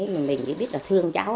mình chỉ biết là thương cháu